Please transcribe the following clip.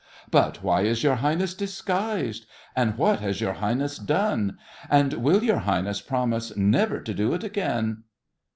But why is your Highness disguised? And what has your Highness done? And will your Highness promise never to do it again?